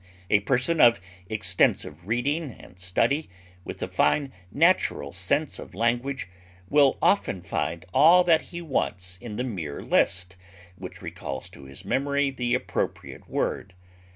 A person of extensive reading and study, with a fine natural sense of language, will often find all that he wants in the mere list, which recalls to his memory the appropriate word.